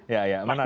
ya ya menarik